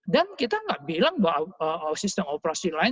dan kita gak bilang bahwa sistem operasi lain lebih aman